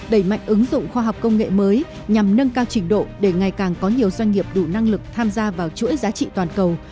đẩy mạnh ứng dụng khoa học công nghệ mới nhằm nâng cao trình độ để ngày càng có nhiều doanh nghiệp đủ năng lực tham gia vào chuỗi giá trị toàn cầu